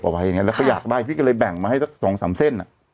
เอาไว้อย่างเงี้ยแล้วก็อยากได้พี่ก็เลยแบ่งมาให้สองสามเส้นอ่ะ